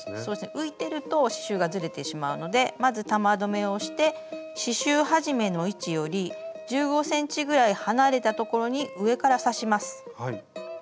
浮いてると刺しゅうがずれてしまうのでまず玉留めをして刺しゅう始めの位置より１５ｃｍぐらい離れたところに上から刺します。